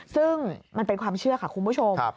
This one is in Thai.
ซึ่งมันเป็นความเชื่อค่ะคุณผู้ชม